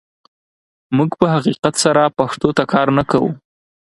موږ په حقیقت سره پښتو ته کار نه کوو.